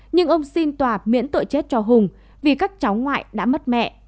nhưng ông xin tòa miễn tội chết cho hùng vì các cháu ngoại đã mất mẹ